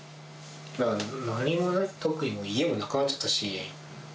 何もない、特に家もなくなっちゃったし。